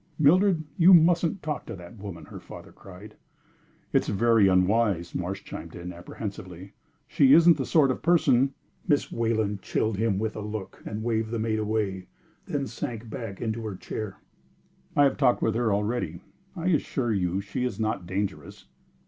"Mildred, you mustn't talk to that woman!" her father cried. "It is very unwise," Marsh chimed in, apprehensively. "She isn't the sort of person " Miss Wayland chilled him with a look and waved the mate away, then sank back into her chair. "I have talked with her already. I assure you she is not dangerous."